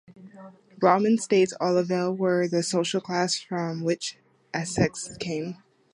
Brahmins, states Olivelle, were the social class from which most ascetics came.